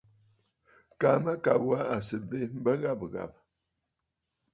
Kaa mâkàbə̀ wa à sɨ̀ bê m̀bə ghâbə̀ ghâbə̀.